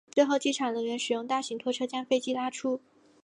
最后机场人员使用大型拖车将飞机拉出。